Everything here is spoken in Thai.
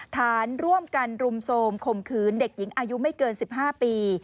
ฐานร่วมกันรุมโทรมข่มขืนเด็กหญิงอายุไม่เกิน๑๕ปี